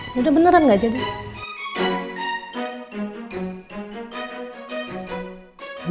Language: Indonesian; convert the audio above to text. lu mah begitu ama gue